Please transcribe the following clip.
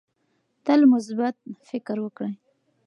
تل مثبت فکر وکړئ.